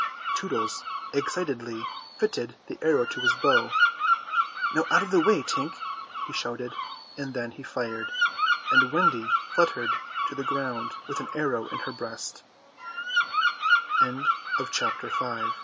Tootles excitedly fitted the arrow to his bow. "Out of the way, Tink," he shouted, and then he fired, and Wendy fluttered to the ground with an arrow i